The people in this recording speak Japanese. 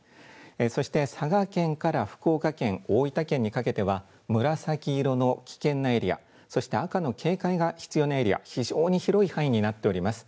そして佐賀県から福岡県、大分県にかけては紫色の危険なエリア、そして赤の警戒が必要なエリア、非常に広い範囲になっております。